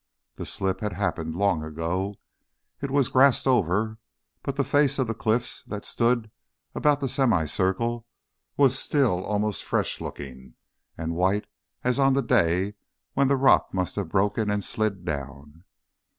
The slip had happened long ago. It was grassed over, but the face of the cliffs that stood about the semicircle was still almost fresh looking and white as on the day when the rock must have broken and slid down.